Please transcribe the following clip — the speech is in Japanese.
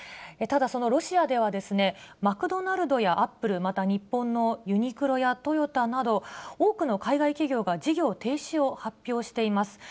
ただ、そのロシアでは、マクドナルドやアップル、また日本のユニクロやトヨタなど、多くの海外企業が事業停止を発表しています。